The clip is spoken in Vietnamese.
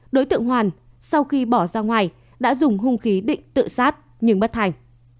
đối tượng hoàn sau khi bỏ ra ngoài đã dùng hung khí định tự sát nhưng bất thành